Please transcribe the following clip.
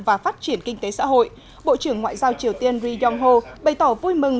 và phát triển kinh tế xã hội bộ trưởng ngoại giao triều tiên ri yong ho bày tỏ vui mừng